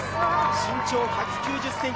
身長１９０ｃｍ。